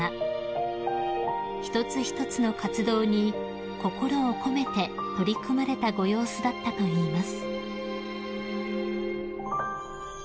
［一つ一つの活動に心を込めて取り組まれたご様子だったといいます］